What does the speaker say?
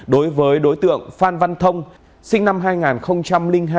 đối với đối tượng phan văn thông sinh năm hai nghìn hai